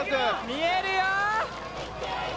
見えるよ！